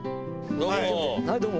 どうも。